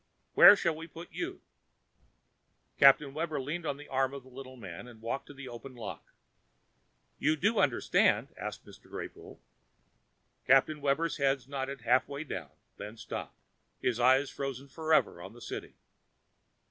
Where shall we put you?" Captain Webber leaned on the arm of the little man and walked to the open lock. "You do understand?" asked Mr. Greypoole. Captain Webber's head nodded halfway down, then stopped; and his eyes froze forever upon the City.